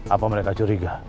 apa mereka curiga